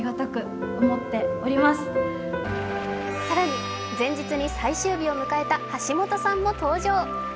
更に、前日に最終日を迎えた橋本さんも登場。